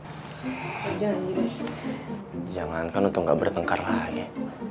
hai jangan jangan kan untuk gak bertengkar lagi